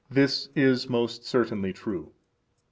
This is most certainly true.